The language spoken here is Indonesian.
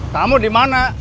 tamu di mana